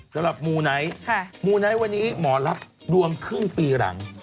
สำหรับมูไนท์มูไนท์วันนี้หมอรับรวมครึ่งปีหลัง